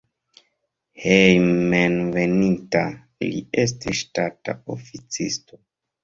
Hejmenveninta li estis ŝtata oficisto.